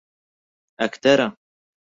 ئەکتەرە.